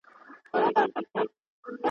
ملتونه خپل اتلان نه هېروي